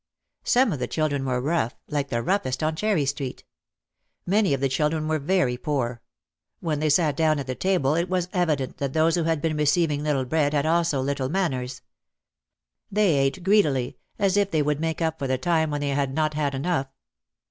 Some of the children were rough, like the roughest on Cherry Street. Many of the children were very poor. When they sat down at the table it was evident that those who had been receiving little bread had also little manners. They ate greedily as if they would make up for the time when they had not had enough.